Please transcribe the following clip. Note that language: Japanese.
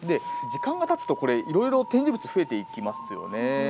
時間がたつと、いろいろ展示物増えていきますよね。